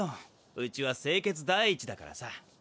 うちは清潔第一だからさ。